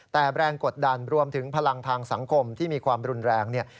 แต่แรงกดดันรวมถึงพลังทางสังคมที่มีความรุนแรงเนี่ย